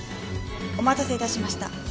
お待たせ致しました。